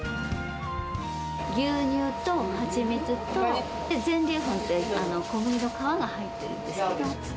牛乳とハチミツと、全粒粉と、小麦の皮が入っているんですけれども。